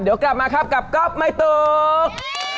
เดี๋ยวกลับมาครับกับก๊อฟไม่ตก